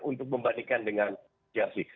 untuk membandingkan dengan chelsea